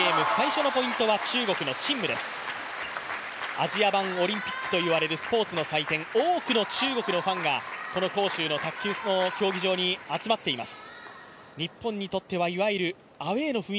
アジア版オリンピックといわれるスポ−ツの祭典、多くの中国のファンがこの杭州の卓球競技場に集まっています。